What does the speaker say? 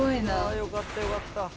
よかった、よかった。